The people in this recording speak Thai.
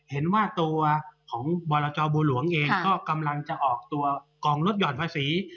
เห็นว่าตัวของบรจบัวหลวงเองก็กำลังจะออกตัวกองลดหย่อนภาษี